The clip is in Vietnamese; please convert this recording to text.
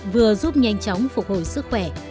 vừa giúp nhanh chóng phục hồi sức khỏe